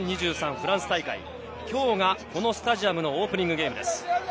フランス大会、きょうがこのスタジアムのオープニングゲームです。